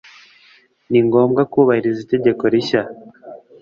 ningombwa kubahiriza itegeko rishya.